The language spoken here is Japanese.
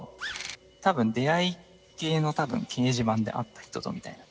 たぶん出会い系の掲示板で会った人とみたいな。